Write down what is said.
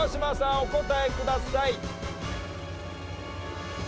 お答えください。